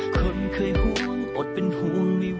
คนเคยห่วงอดเป็นห่วงไม่ว่า